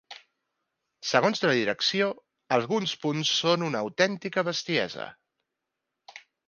Segons la direcció, alguns punts són una ‘autèntica bestiesa’.